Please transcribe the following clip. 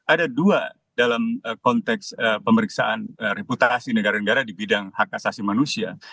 ada dua dalam konteks pemeriksaan reputasi negara negara di bidang hak asasi manusia